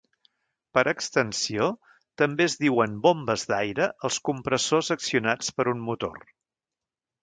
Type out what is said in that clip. Per extensió, també es diuen bombes d'aire als compressors accionats per un motor.